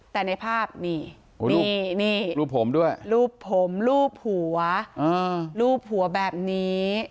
แต่ในภาพนี่นี่รูปผมด้วยรูปผมรูปหัวรูปหัวแบบนี้